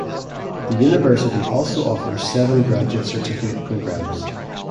The university also offers seven graduate certificate programs.